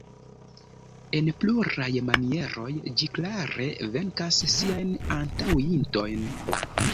En pluraj manieroj, ĝi klare venkas siajn antaŭintojn.